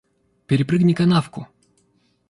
Перепрыгни канавку.